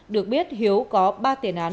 được biết hiếu có ba tiền án